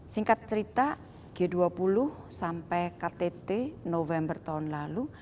singkat cerita g dua puluh sampai ktt november tahun lalu